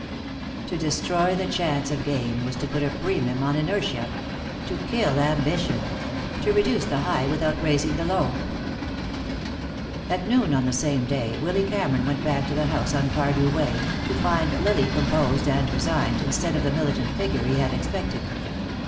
To destroy the chance of gain was to put a premium on inertia; to kill ambition; to reduce the high without raising the low. At noon on the same day Willy Cameron went back to the house on Cardew Way, to find Lily composed and resigned, instead of the militant figure he had expected.